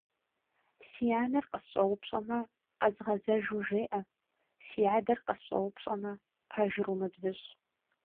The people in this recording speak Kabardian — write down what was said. Си анэр къысщӏэупщӏэмэ, къэзгъэзэжу жеӏэ, си адэр къысщӏэупщӏэмэ, пэжыр умыбзыщӏ.